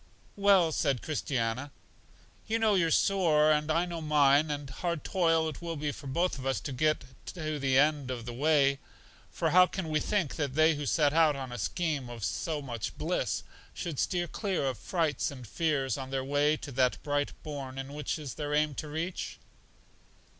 Well, said Christiana, you know your sore, and I know mine, and hard toil will it be for both of us to get to the end of the way; for how can we think that they who set out on a scheme of so much bliss, should steer clear of frights and fears on their way to that bright bourn which it is their aim to reach?